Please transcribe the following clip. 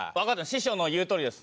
師匠の言うとおりです。